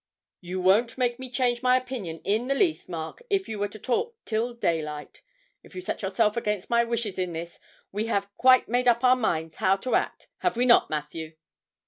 'You won't make me change my opinion in the least, Mark, if you were to talk till daylight. If you set yourself against my wishes in this, we have quite made up our minds how to act, have we not, Matthew?'